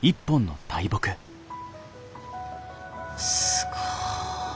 すごい。